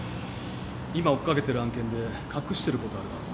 今追っ掛けてる案件で隠してることあるだろ？